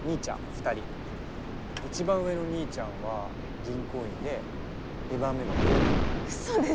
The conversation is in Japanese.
２人一番上の兄ちゃんは銀行員で二番目は公務員ウソでしょ？